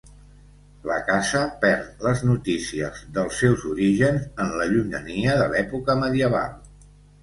La casa perd les notícies dels seus orígens en la llunyania de l'època medieval.